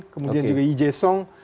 kemudian juga yi jae sung